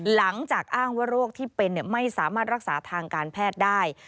หลังจากอ้างว่าโรคที่เป็นไม่สามารถรักษาทางการแพทย์ได้